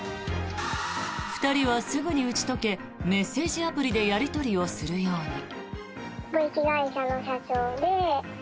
２人はすぐに打ち解けメッセージアプリでやり取りをするように。